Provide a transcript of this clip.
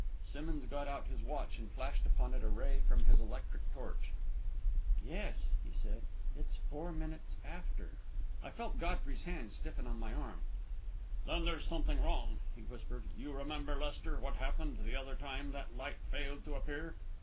Simmonds got out his watch and flashed upon it a ray from his electric torch. "Yes," he said, "it's four minutes after." I felt Godfrey's hand stiffen on my arm. "Then there's something wrong," he whispered. "You remember, Lester, what happened the other time that light failed to appear.